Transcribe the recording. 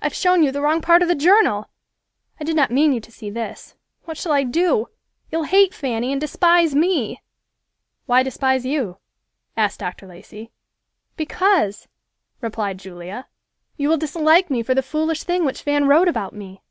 I've shown you the wrong part of the journal. I did not mean you to see this. What shall I do? You'll hate Fanny and despise me." "Why despise you?" asked Dr. Lacey. "Because," replied Julia, "you will dislike me for the foolish thing which Fan wrote about me.